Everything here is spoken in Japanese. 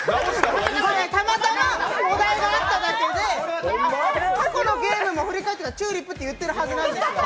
たまたまお題が合っただけで過去のゲームも振り返ったら、チューリップって言ってるはずですよ。